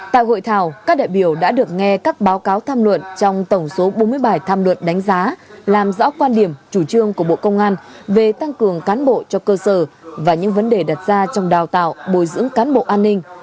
tại hội thảo các đại biểu đã được nghe các báo cáo tham luận trong tổng số bốn mươi bài tham luận đánh giá làm rõ quan điểm chủ trương của bộ công an về tăng cường cán bộ cho cơ sở và những vấn đề đặt ra trong đào tạo bồi dưỡng cán bộ an ninh